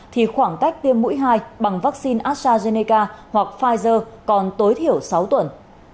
thì khoảng cách tiêm mũi hai bằng vaccine astrazeneca hoặc pfizer còn tối thiểu sáu tuần